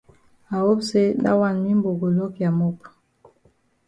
I hope say dat wan mimbo go lock ya mop.